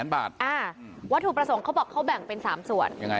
วัตถุประสงค์เขาบอกเขาแบ่งเป็น๓ส่วนยังไง